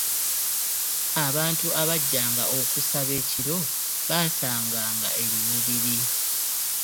Abantu abajjanga okusaba ekiro baasanganga enyirira.